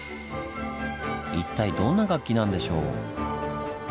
一体どんな楽器なんでしょう？